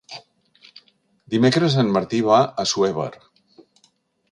Dimecres en Martí va a Assuévar.